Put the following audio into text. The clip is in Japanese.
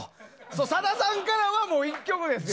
さださんからは１曲ですよ。